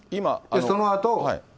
そのあと。